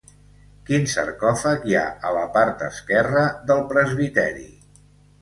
Quin sarcòfag hi ha a la part esquerra del presbiteri?